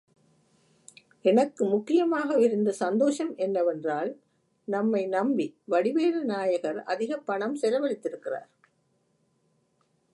எனக்கு முக்கியமாகவிருந்த சந்தோஷம் என்னவென்றால், நம்மை நம்பி வடிவேலு நாயகர், அதிகப் பணம் செலவழித்திருக்கிறார்.